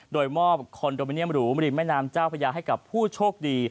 โดยมอบคอนโดมิเนียมหรูมริมแม่น้ำเจ้าพระยาให้กับผู้โชคดี